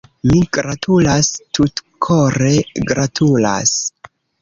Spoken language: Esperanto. Mi gratulas, tutkore gratulas.